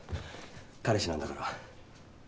彼氏なんだから。